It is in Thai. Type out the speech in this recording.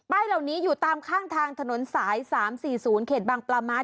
เหล่านี้อยู่ตามข้างทางถนนสาย๓๔๐เขตบางปลาม้า